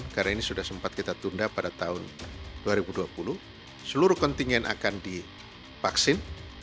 karena ini sudah sempat kita tunda pada tahun dua ribu dua puluh seluruh kontingen akan dipaksin